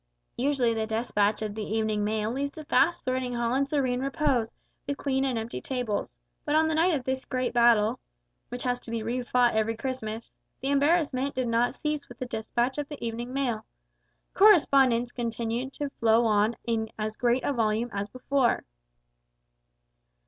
Usually the despatch of the evening mail leaves the vast sorting hall in serene repose, with clean and empty tables; but on the night of this great battle which has to be re fought every Christmas the embarrassment did not cease with the despatch of the evening mail. Correspondence continued to flow on in as great a volume as before.